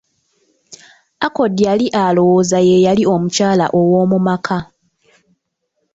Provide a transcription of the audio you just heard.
Accord yali alowooza ye yali omukyala owoomu maka.